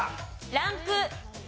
ランク２。